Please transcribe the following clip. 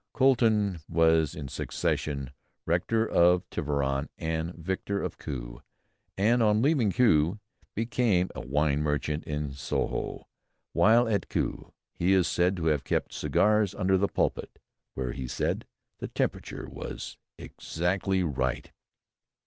Colton was in succession Rector of Tiverton and Vicar of Kew, but on leaving Kew became a wine merchant in Soho. While at Kew he is said to have kept cigars under the pulpit, where, he said, the temperature was exactly right.